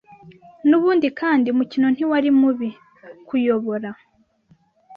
N'ubundi kandi, umukino ntiwari mubi. (_kuyobora)